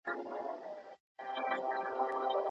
چیرته کولای سو بشري حقونه په سمه توګه مدیریت کړو؟